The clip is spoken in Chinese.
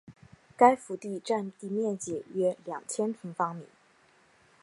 该府第占地面积约两千平方米。